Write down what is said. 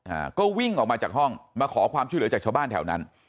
อ่าก็วิ่งออกมาจากห้องมาขอความช่วยเหลือจากชาวบ้านแถวนั้น